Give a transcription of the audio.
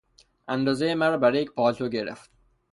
اندازهی مرا برای یک پالتو گرفت.